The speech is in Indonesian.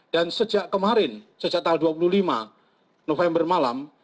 dan sejak kemarin sejak tahun dua puluh lima november malam